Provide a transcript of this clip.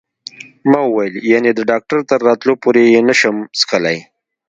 ما وویل: یعنې د ډاکټر تر راتلو پورې یې نه شم څښلای؟